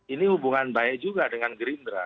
ini hubungan baik juga dengan gerindra